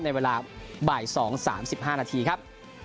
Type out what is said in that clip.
ในเวลา๑๒๓๕นาทีครับ